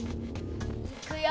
いくよ！